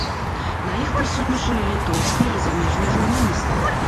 На іх прысутнічалі літоўскія і замежныя журналісты.